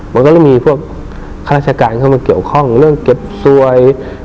มันก็จะมีพวกข้าราชการเข้ามาเกี่ยวข้องเรื่องเก็บสวย